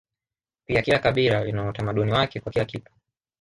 Pia kila kabila lina utamaduni wake kwa kila kitu